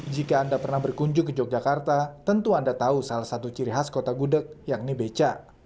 jika anda pernah berkunjung ke yogyakarta tentu anda tahu salah satu ciri khas kota gudeg yakni beca